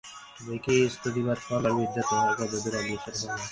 দেখি, স্তুতিবাদ করবার বিদ্যা তোমার কতদূর অগ্রসর হল।